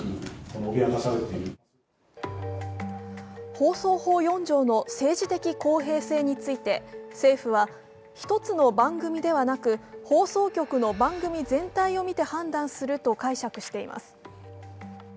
放送法４条の政治的公平性について１つの番組ではなく放送局の番組全体を見て判断すると解釈しています。